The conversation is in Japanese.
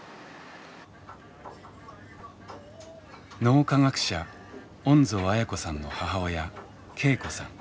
脳科学者恩蔵絢子さんの母親恵子さん